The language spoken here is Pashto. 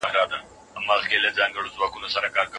کرکټرونه یو په بل پسې راڅرګندېږي.